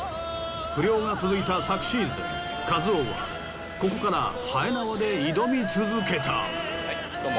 不漁が続いた昨シーズン一夫はここからはえ縄で挑み続けた。